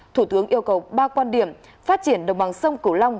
thủ tướng yêu cầu ba quan điểm phát triển đồng bằng sông cửu long